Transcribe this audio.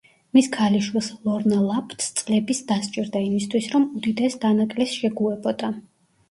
მის ქალიშვილს ლორნა ლაფტს წლების დასჭირდა იმისთვის, რომ უდიდესს დანაკლისს შეგუებოდა.